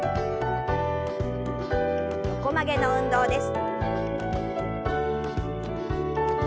横曲げの運動です。